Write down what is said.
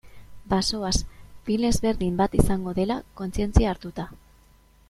Bazoaz, film ezberdin bat izango dela kontzientzia hartuta.